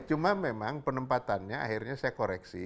cuma memang penempatannya akhirnya saya koreksi